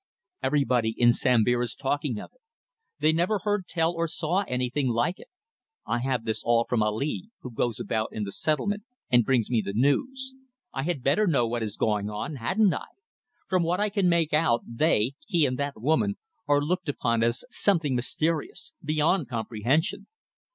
Everybody in Sambir is talking of it. They never heard tell or saw anything like it. I have all this from Ali, who goes about in the settlement and brings me the news. I had better know what is going on hadn't I? From what I can make out, they he and that woman are looked upon as something mysterious beyond comprehension.